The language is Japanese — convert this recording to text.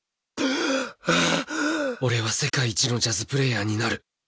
俺は世界一のジャズプレーヤーになる！